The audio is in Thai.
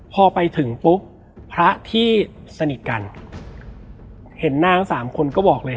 พอไปถึงปุ๊บพระที่สนิทกันเห็นนางสามคนก็บอกเลย